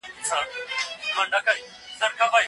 هغه مواد چي تا راټول کړي دي ترتیب کړه.